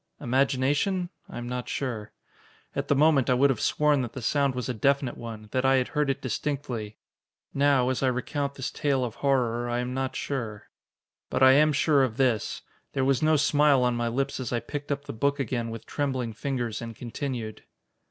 Imagination? I am not sure. At the moment, I would have sworn that the sound was a definite one, that I had heard it distinctly. Now, as I recount this tale of horror, I am not sure. But I am sure of this: There was no smile on my lips as I picked up the book again with trembling fingers and continued.